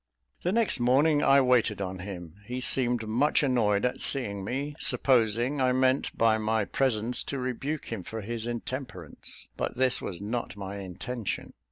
The next morning, I waited on him. He seemed much annoyed at seeing me, supposing I meant, by my presence, to rebuke him for his intemperance; but this was not my intention.